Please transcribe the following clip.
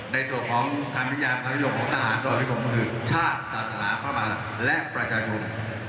ในส่วนของคำนิยาการยุคของต้าหารความเรียกของผมคือชาติศาสนาภรรณาและประชาชุม